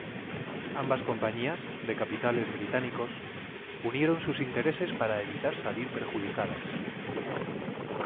Ambas compañías, de capitales británicos, unieron sus intereses para evitar salir perjudicadas.